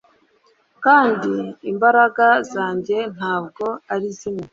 kandi imbaraga zanjye ntabwo ari zimwe